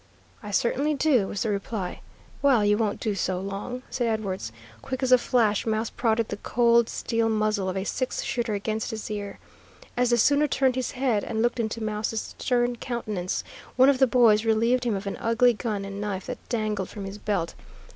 "I certainly do," was the reply. "Well, you won't do so long," said Edwards. Quick as a flash Mouse prodded the cold steel muzzle of a six shooter against his ear. As the sooner turned his head and looked into Mouse's stern countenance, one of the boys relieved him of an ugly gun and knife that dangled from his belt.